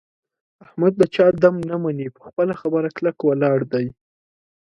احمد د چا دم نه مني. په خپله خبره کلک ولاړ دی.